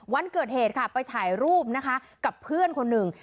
วันเกิดเหตุค่ะไปถ่ายรูปนะคะกับเพื่อนคนหนึ่ง